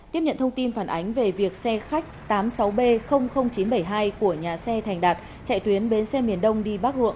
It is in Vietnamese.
tiếp nhận thông tin phản ánh về việc xe khách tám mươi sáu b chín trăm bảy mươi hai của nhà xe thành đạt chạy tuyến bến xe miền đông đi bắc ruộng